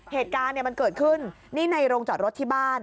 เหตุการณ์มันเกิดขึ้นนี่ในโรงจอดรถที่บ้าน